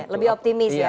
lebih optimis ya